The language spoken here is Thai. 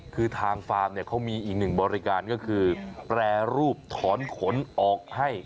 คือทางฟาร์มเนี่ยเขามีอีกหนึ่งบริการก็คือแปรรูปถอนขนออกให้